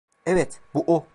Evet, bu o.